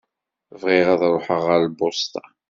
Bɣiɣ ad truḥeḍ ɣer lbusṭa.